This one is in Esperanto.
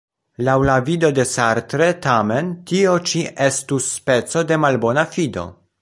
Laŭ la vido de Sartre, tamen, tio ĉi estus speco de malbona fido.